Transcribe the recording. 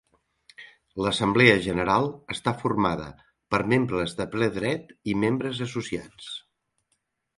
L'Assemblea General està formada per membres de ple dret i membres associats.